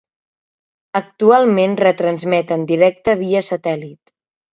Actualment retransmet en directe via satèl·lit.